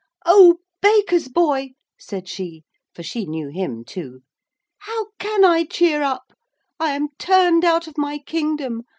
'Oh, Baker's Boy,' said she, for she knew him too, 'how can I cheer up? I am turned out of my kingdom.